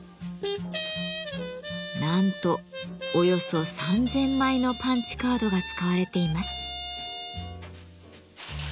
なんとおよそ３，０００枚のパンチカードが使われています。